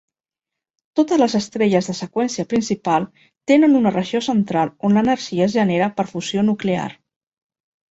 Totes les estrelles de seqüència principal tenen una regió central on l'energia es genera per fusió nuclear.